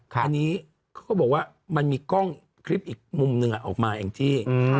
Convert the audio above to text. เค้าก็บอกว่ามันมีคลิปอีกมุมหนึ่งออกมาแหละ